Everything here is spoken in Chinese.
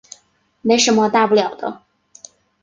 没什么大不了的